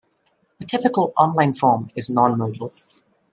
A typical online form is non-modal.